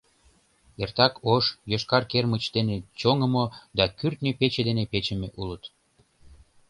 Эртак ош, йошкар кермыч дене чоҥымо да кӱртньӧ пече дене печыме улыт.